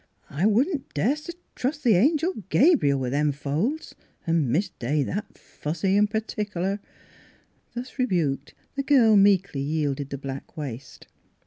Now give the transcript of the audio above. I wouldn't das' t' trust the Angel Gabriel with them folds, an' Miss Day that fussy an' pertic'lar." Thus rebuked the girl meekly yielded the black waist.